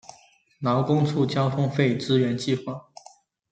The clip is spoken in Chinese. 劳工处交通费支援计划